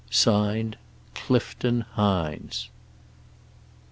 "(Signed) Clifton HINES."